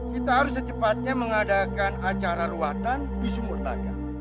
kita harus secepatnya mengadakan acara ruatan di sumurtaga